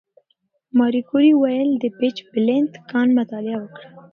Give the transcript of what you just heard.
ماري کوري ولې د پیچبلېند کان مطالعه وکړه؟